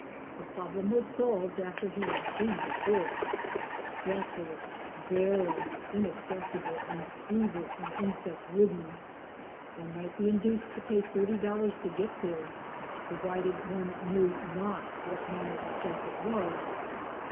The problem was solved after he had seen the port — desolate, barren, inaccessible and fever and insect ridden — one might be induced to pay $30 to get there provided one knew not what manner of place it was.